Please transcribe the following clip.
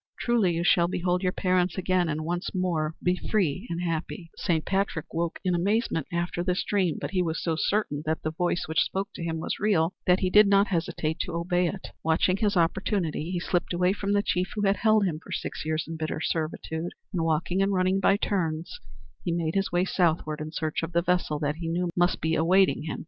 Truly you shall behold your parents again and once more be free and happy." Saint Patrick woke in amazement after this dream, but he was so certain that the voice which spoke to him was real that he did not hesitate to obey it. Watching his opportunity he slipped away from the chief who had held him for six years in bitter servitude, and walking and running by turns he made his way southward in search of the vessel that he knew must be awaiting him.